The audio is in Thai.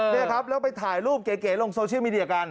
นี่ครับแล้วไปถ่ายรูปเก๋ลงโซเชียลมีเดียกัน